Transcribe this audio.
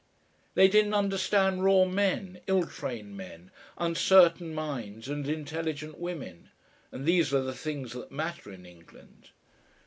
They didn't understand raw men, ill trained men, uncertain minds, and intelligent women; and these are the things that matter in England....